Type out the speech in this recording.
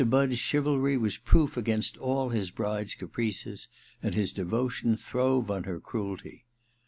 Budd's chivalry was proof against all his bride's caprices and his devotion throve on her cruelty.